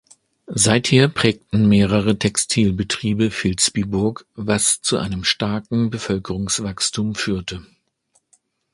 Seither prägten mehrere Textilbetriebe Vilsbiburg, was zu einem starken Bevölkerungswachstum führte.